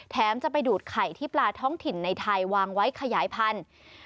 จะไปดูดไข่ที่ปลาท้องถิ่นในไทยวางไว้ขยายพันธุ์